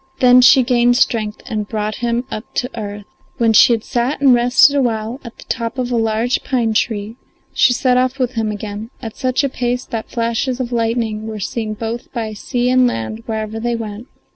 Then she gained strength and brought him up to earth. When she had sat and rested a while at the top of a large pine tree she set off with him again at such a pace that flashes of lightning were seen both by sea and land wherever they went.